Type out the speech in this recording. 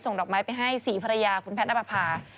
ส่งดอกไม้ไปให้ศรีภรรยาคุณแพทย์และปภาพ